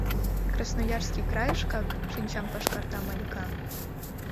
— Красноярский крайышкак?! — шинчам пашкарта Малика.